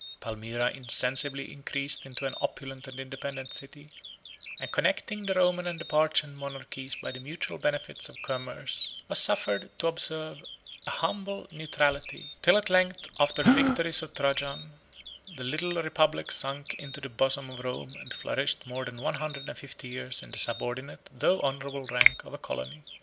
Palmyra insensibly increased into an opulent and independent city, and connecting the Roman and the Parthian monarchies by the mutual benefits of commerce, was suffered to observe an humble neutrality, till at length, after the victories of Trajan, the little republic sunk into the bosom of Rome, and flourished more than one hundred and fifty years in the subordinate though honorable rank of a colony.